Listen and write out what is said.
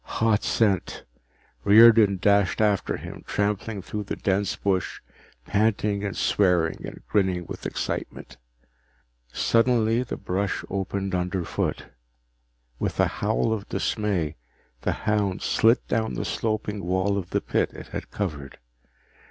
Hot scent! Riordan dashed after him, trampling through dense bush, panting and swearing and grinning with excitement. Suddenly the brush opened underfoot. With a howl of dismay, the hound slid down the sloping wall of the pit it had covered.